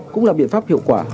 cũng là biện pháp hiệu quả